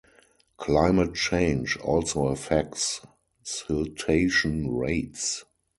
Climate change also affects siltation rates.